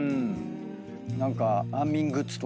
何か。